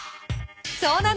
そうなの。